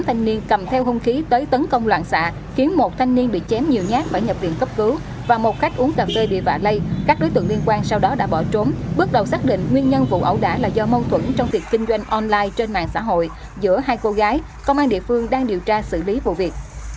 hãy đăng ký kênh để ủng hộ kênh của chúng mình nhé